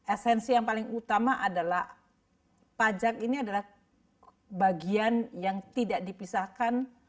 esensi yang paling utama adalah pajak ini adalah bagian yang tidak dipisahkan